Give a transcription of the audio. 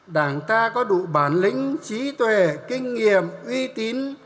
đảng ta có đủ bản lĩnh trí tuệ kinh nghiệm uy tín